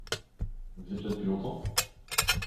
Vous êtes là depuis longtemps ?